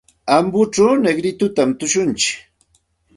Ambochaw Negritotami tushuntsik.